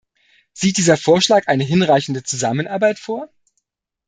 Sieht dieser Vorschlag eine hinreichende Zusammenarbeit vor?